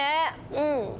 うん。